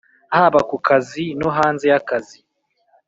haba ku kazi no hanze y’akazi.